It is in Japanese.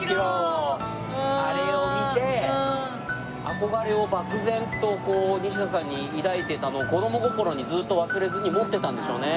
あれを見て憧れを漠然と西田さんに抱いていたのを子供心にずっと忘れずに持ってたんでしょうね。